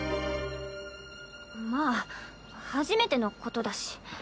まあ初めてのことだし。